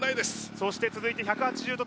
そして続いて１８０度